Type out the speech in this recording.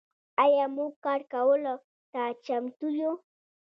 آیا موږ کار کولو ته چمتو یو؟